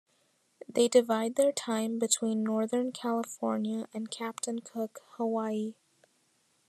They divide their time between northern California and Captain Cook, Hawaii.